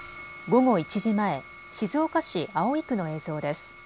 午後１時前、静岡市葵区の映像です。